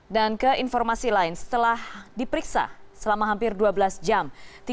dan ke informasi lain setelah diperiksa selama hampir dua belas jam